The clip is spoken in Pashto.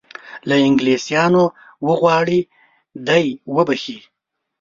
له انګلیسیانو وغواړي دی وبخښي.